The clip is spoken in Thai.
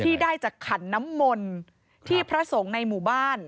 ได้จากขันน้ำมนต์ที่พระสงฆ์ในหมู่บ้าน